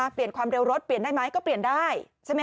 ปลายความเร็วรถได้มั้ยก็ปลายได้